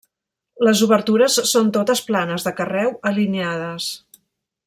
Les obertures són totes planes, de carreu, alineades.